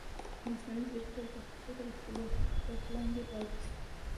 مصنوعي ځیرکتیا د فکر خپلواکي تر بحث لاندې راولي.